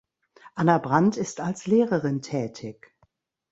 Anna Brandt ist als Lehrerin tätig.